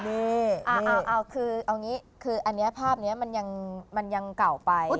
เอาคืออันนี้ภาพนี้มันยังเก่าไป